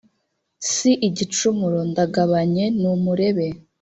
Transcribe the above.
si igicumuro, ndagabanye numurebe